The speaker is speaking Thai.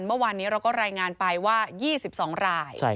เมื่อวานนี้เราก็รายงานไปว่า๒๒ราย